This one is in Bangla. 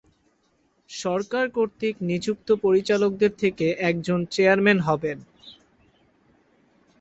সরকার কর্তৃক নিযুক্ত পরিচালকদের থেকে একজন চেয়ারম্যান হবেন।